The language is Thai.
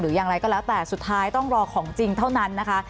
อย่างไรก็แล้วแต่สุดท้ายต้องรอของจริงเท่านั้นนะคะ